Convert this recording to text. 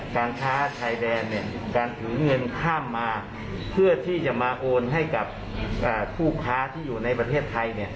การค้าชายแดนการถือเงินข้ามมาเพื่อที่จะมาโอนให้กับผู้ค้าที่อยู่ในประเทศไทย